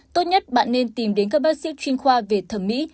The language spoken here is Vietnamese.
tốt nhất bạn nên tìm đến các bác sĩ chuyên khoa về thẩm mỹ